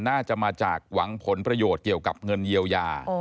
น่าจะมาจากหวังผลประโยชน์เกี่ยวกับเงินเยียวยา